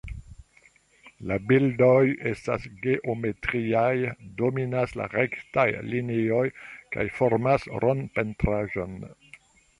La bildoj estas geometriaj, dominas la rektaj linioj kaj formas rond-pentraĵon.